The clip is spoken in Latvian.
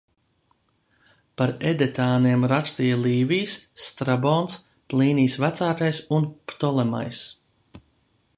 Par edetāniem rakstīja Līvijs, Strabons, Plīnijs Vecākais un Ptolemajs.